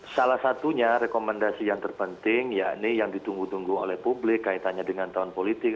salah satunya rekomendasi yang terpenting yakni yang ditunggu tunggu oleh publik kaitannya dengan tahun politik